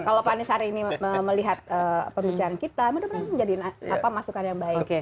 kalau pak anies hari ini melihat pembicaraan kita mudah mudahan ini menjadi masukan yang baik